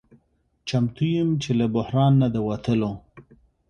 چمتو یم چې له بحران نه د وتلو